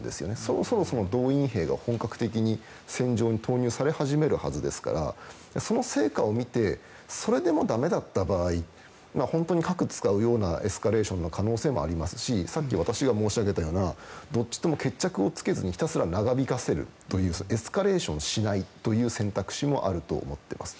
そろそろ動員兵が本格的に戦場に投入し始めるはずですからその成果を見てそれでもだめだった場合本当に核を使うようなエスカレーションの可能性もありますしさっき私が申しあげたような決着をつけずに長引かせるエスカレーションしないという選択肢もあると思っています。